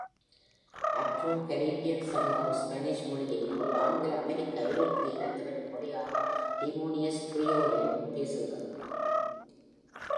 Afro-Caribbean சமூகம், Spanish மொழியையும், ஒரு ஆங்கில அமெரிக்க ஐரோப்பிய இனத்தவரின் மொழியான லிமோனீஸ் க்ரியோலையும் பேசுகிறது.